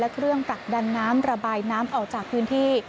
เครื่องผลักดันน้ำระบายน้ำออกจากพื้นที่